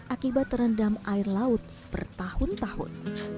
akibat terendam air laut bertahun tahun